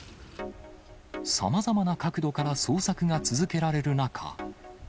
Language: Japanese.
さまざまな角度から捜索が続けられる中。